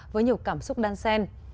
với nhiều cảm xúc đan xen